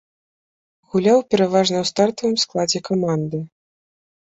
Гуляў пераважна ў стартавым складзе каманды.